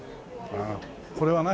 これは何？